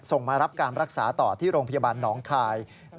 มารับการรักษาต่อที่โรงพยาบาลหนองคาย